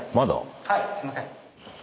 はいすいません。